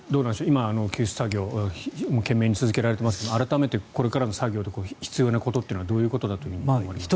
今、救出作業が懸命に続けられていますが改めて、これからの作業で必要なことというのはどういうことだと思われますか。